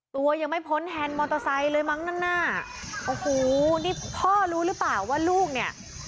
ตัวยังไม่พ้นแฮนด์มอเตอร์ไซค์เลยมั้งหน้าโอ้โหนี่พ่อรู้หรือเปล่าว่าลูกเนี่ย